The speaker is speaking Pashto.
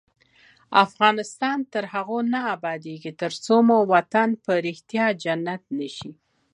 افغانستان تر هغو نه ابادیږي، ترڅو مو وطن په ریښتیا جنت نشي.